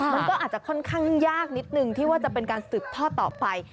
มันก็อาจจะค่อนข้างยากนิดนึงที่ว่าจะเป็นการสืบท่อต่อไป